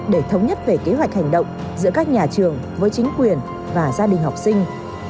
để thống nhất về kế hoạch hành động giữa các nhà trường với chính quyền và gia đình học sinh